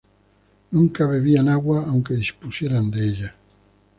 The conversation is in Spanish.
Nunca bebían agua aunque dispusieran de ella.